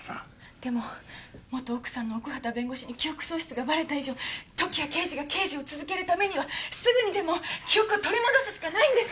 でも元奥さんの奥畑弁護士に記憶喪失がバレた以上時矢刑事が刑事を続けるためにはすぐにでも記憶を取り戻すしかないんです！